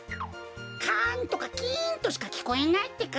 カンとかキンとしかきこえないってか。